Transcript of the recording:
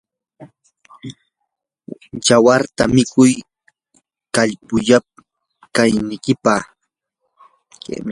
yawarta mikuy kallpayuq kanaykipaq.